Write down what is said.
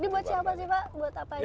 buat apa aja